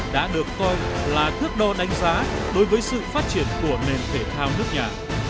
đã được coi là thước đo đánh giá đối với sự phát triển của nền thể thao nước nhà